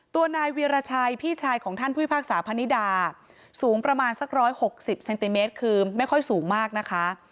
ตัวนายเวียรชัยพี่ชายของท่านผู้พิพากษาพนิดาสูงประมาณสัก๑๖๐เซนติเมตรคือไม่ค่อยสูงมากนะคะ